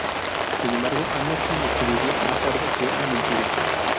Sin embargo, Anderson descubrirá más tarde que ha mentido.